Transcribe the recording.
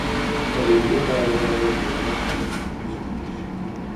پر علمي بحروبر یې په وړه خوله نه غږېږې.